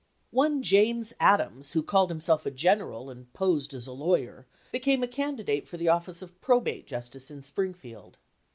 One James Adams, who called himself a gen eral and posed as a lawyer, became a candidate for the office of probate justice in Springfield.